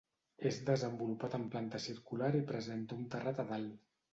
És desenvolupat en planta circular i presenta un terrat a dalt.